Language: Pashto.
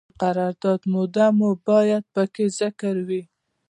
د قرارداد موده هم باید پکې ذکر وي.